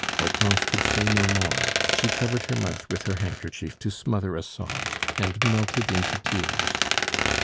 Hortense could say no more; she covered her mouth with her handkerchief to smother a sob, and melted into tears.